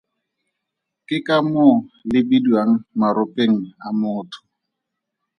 Ke ka moo le bidiwang Maropeng a Motho.